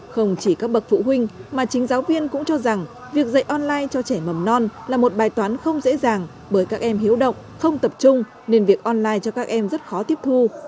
không chỉ các bậc phụ huynh mà chính giáo viên cũng cho rằng việc dạy online cho trẻ mầm non là một bài toán không dễ dàng bởi các em hiếu động không tập trung nên việc online cho các em rất khó tiếp thu